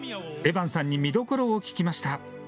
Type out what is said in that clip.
エバンさんに見どころを聞きました。